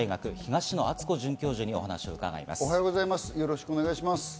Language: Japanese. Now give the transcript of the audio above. よろしくお願いします。